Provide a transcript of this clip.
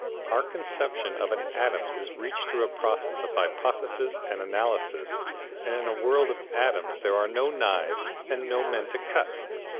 Our conception of an atom is reached through a process of hypothesis and analysis, and in the world of atoms there are no knives and no men to cut.